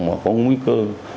mà có nguy cơ